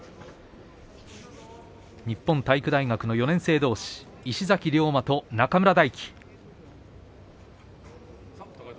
日本体育大学の４年生同士石崎涼馬と中村泰輝。